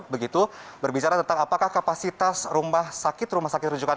begitu berbicara tentang apakah kapasitas rumah sakit rumah sakit rujukan